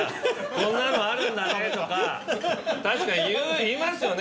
「こんなのあるんだね」とか確かに言いますよね